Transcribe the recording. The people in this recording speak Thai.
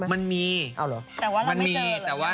มันมีแต่ว่า